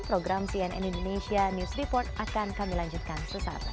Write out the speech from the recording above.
program cnn indonesia news report akan kami lanjutkan sesaat lagi